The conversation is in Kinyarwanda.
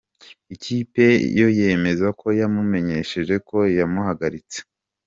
Ikipe yo yemeza ko yamumenyesheje ko yamuhagaritse.